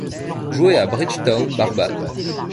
Joué à Bridgetown, Barbade.